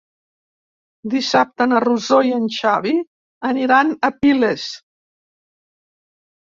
Dissabte na Rosó i en Xavi aniran a Piles.